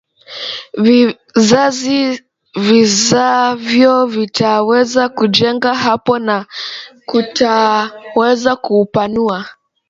vizazi vizavyo vitaweza kujenga hapo na tukaweza kupanua